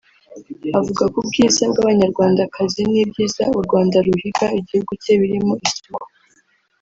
avuga ku bwiza bw’Abanyarwandakazi n’ibyiza u Rwanda ruhiga igihugu cye birimo isuku